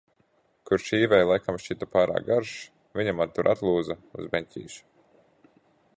Kurš Īvei laikam šķita pārāk garš, viņa man tur atlūza uz beņķīša.